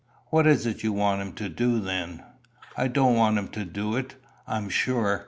"What is it you want him to do, then?" "I don't want him to do it, I'm sure.